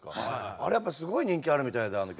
あれやっぱすごい人気あるみたいであの曲。